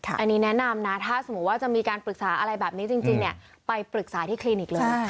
อันนี้แนะนำนะถ้าสมมุติว่าจะมีการปรึกษาอะไรแบบนี้จริงไปปรึกษาที่คลินิกเลย